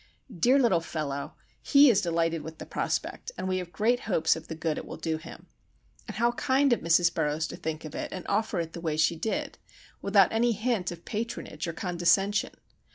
Dear little fellow!—he is delighted with the prospect, and we have great hopes of the good it will do him. And how kind of Mrs. Burroughs to think of it, and offer it the way she did,—without any hint of patronage or condescension.